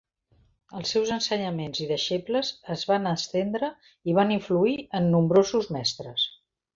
Els seus ensenyaments i deixebles es van estendre i van influir en nombrosos mestres.